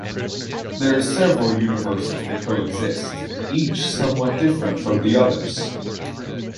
There are several universes that coexist - each somewhat different from the others.